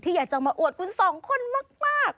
อยากจะมาอวดคุณสองคนมาก